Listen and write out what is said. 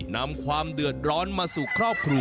นำความเดือดร้อนมาสู่ครอบครัว